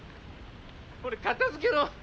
これ片づけろ